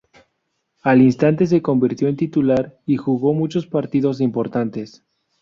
Al instante se convirtió en titular y jugó muchos partidos importantes.